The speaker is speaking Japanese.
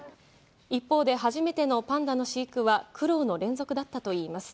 一方で、初めてのパンダの飼育は苦労の連続だったといいます。